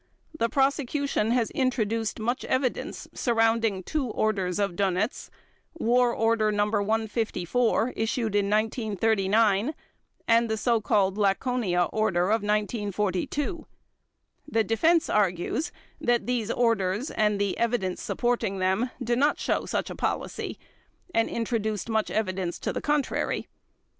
The Prosecution has introduced much evidence surrounding two orders of Dönitz—War Order Number 154, issued in 1939, and the so called "Laconia" Order of 1942. The Defense argues that these orders and the evidence supporting them do not show such a policy and introduced much evidence to the contrary.